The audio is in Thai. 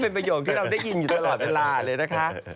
เป็นประโยคที่เราได้ยินอยู่ตลอดเวลาเลยนะคะ